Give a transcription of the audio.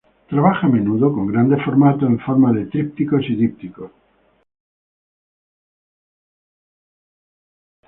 Trabaja a menudo con grandes formatos en forma de trípticos y dípticos.